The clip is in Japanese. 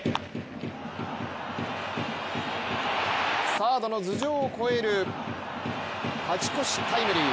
サードの頭上を越える勝ち越しタイムリー。